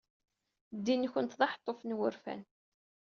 Ddin-nkent d aḥeṭṭuf n wurfan.